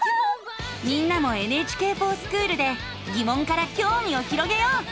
みんなも「ＮＨＫｆｏｒＳｃｈｏｏｌ」でぎもんからきょうみを広げよう。